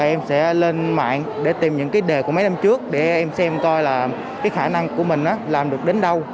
em sẽ lên mạng để tìm những cái đề của mấy năm trước để em xem coi là cái khả năng của mình làm được đến đâu